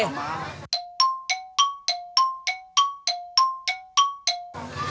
ใช้ตอย๗๓คอ